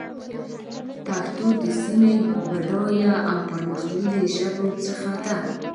پښتو د سيمې يوه له بډايه او پرمختللو ژبو څخه ده.